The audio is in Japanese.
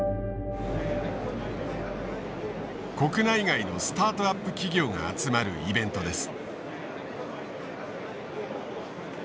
国内外のスタートアップ企業が集まるイベントです。